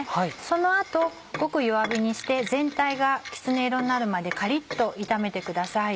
その後ごく弱火にして全体がきつね色になるまでカリっと炒めてください。